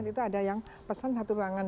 itu ada yang pesan satu ruangan